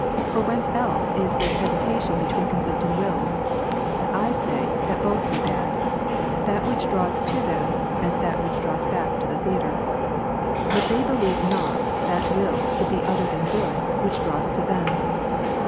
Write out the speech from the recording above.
For whence else is this hesita tion between conflicting wills ? But I say, that both be bad: that which draws to them, as that which draws back to the theatre. But they believe not that will to be other than good, which draws to them.